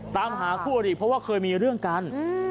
ตามหาคู่อริเพราะว่าเคยมีเรื่องกัน